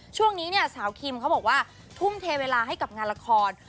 ช่วงนี้เนี่ยสาวคิมเขาบอกว่าทุ่มเทเวลาให้กับงานละคร